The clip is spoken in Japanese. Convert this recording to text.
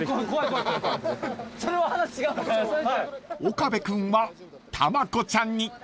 ［岡部君はたまこちゃんに］